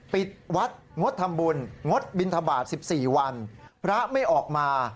ปิดวัดงดทำบุญงดบินทบาท๑๔วันพระไม่ออกมา